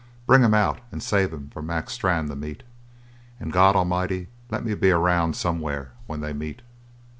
Bring him out and save him for Mac Strann to meet. And, God A'mighty, let me be around somewhere's when they meet!"